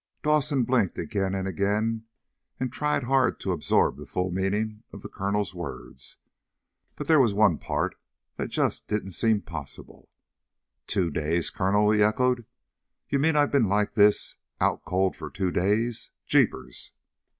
Dawson blinked again and tried hard to absorb the full meaning of the colonel's words. But there was one part that just didn't seem possible. "Two days, Colonel?" he echoed. "You mean that I've been like this, out cold for two days? Jeepers!"